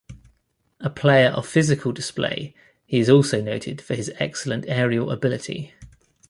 A player of physical display, he is also noted for his excellent aerial ability.